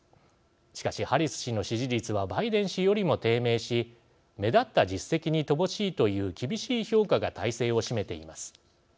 しかしハリス氏の支持率はバイデン氏よりも低迷し目立った実績に乏しいという厳しい評価が大勢を占めています。